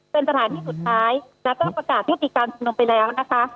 เป็นสถานที่สุดท้ายแล้วก็ประกาศยุติการชุมนุมไปแล้วนะคะ